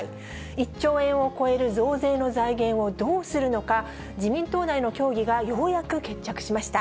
１兆円を超える増税の財源をどうするのか、自民党内の協議がようやく決着しました。